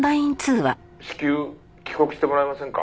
「至急帰国してもらえませんか？」